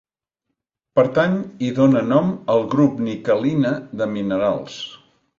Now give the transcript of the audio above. Pertany i dóna nom al grup niquelina de minerals.